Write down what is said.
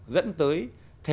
dẫn tới thể